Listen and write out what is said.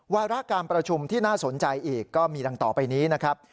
วาระการประชุมที่น่าสนใจอีกก็มีดังต่อไปนี้นะครับ